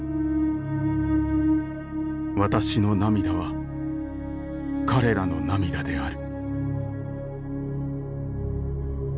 私の涙は、彼らの涙である」